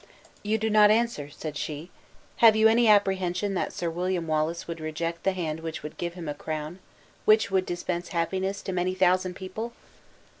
"You do not answer," said she; "have you any apprehension that Sir William Wallace would reject the hand which would give him a crown? which would dispense happiness to many thousand people?"